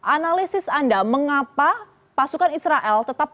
analisis anda mengapa pasukan israel tetap